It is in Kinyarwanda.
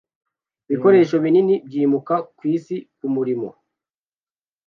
Ibikoresho binini byimuka kwisi kumurimo